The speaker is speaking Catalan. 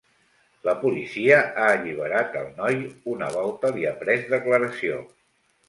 La policia ha alliberat el noi una volta li ha pres declaració.